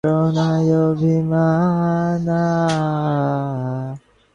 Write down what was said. তিন মাস আগেও হয়তো কুমুদকে হিসাবি বিবেচক দেখিলে মতি খুশি হইত।